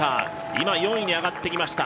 今４位に上がってきました。